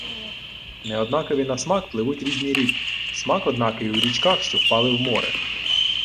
Неоднакові на смак пливуть різні ріки... Смак однакий у річках, що впали у море.